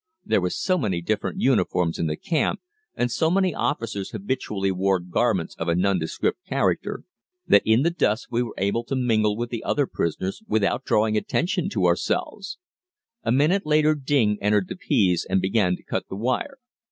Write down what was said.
There were so many different uniforms in the camp, and so many officers habitually wore garments of a nondescript character, that in the dusk we were able to mingle with the other prisoners without drawing attention to ourselves. A minute later Ding entered the peas and began to cut the wire.